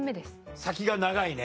先が長いね。